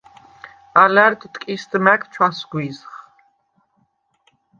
ალა̈რდ ტკისდ მა̈გ ჩვასგვიზხ.